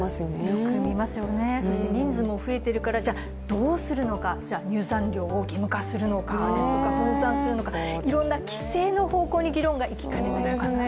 よく見ますよね、そして人数も増えているからじゃあどうするのか入山料を義務化するのかですとか分散するのかとかいろんな規制の方向に議論が行きかねないのかなと。